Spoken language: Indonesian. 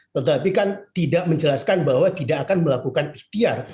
tetapi kan tidak menjelaskan bahwa tidak akan melakukan ikhtiar